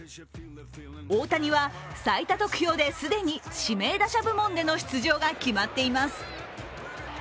大谷は最多得票で既に指名打者部門での出場が決まっています。